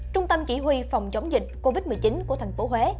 trung tâm chỉ huy phòng chống dịch covid một mươi chín của thành phố huế